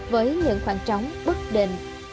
với những khoảng trống bức định